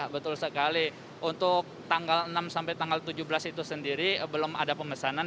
betul sekali untuk tanggal enam sampai tanggal tujuh belas itu sendiri belum ada pemesanan